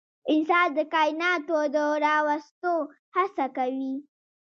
انسان د کایناتو د راوستو هڅه کوي.